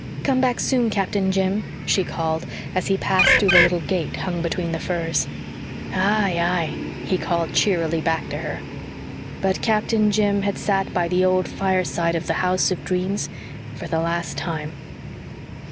"Come back soon, Captain Jim," she called, as he passed through the little gate hung between the firs. "Ay, ay," he called cheerily back to her. But Captain Jim had sat by the old fireside of the house of dreams for the last time.